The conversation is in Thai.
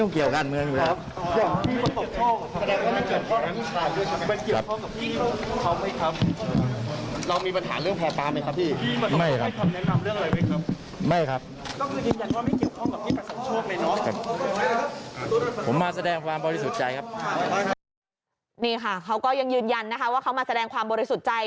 นี่ค่ะเขาก็ยังยืนยันนะคะว่าเขามาแสดงความบริสุทธิ์ใจ